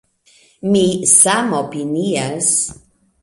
Mi samopinias.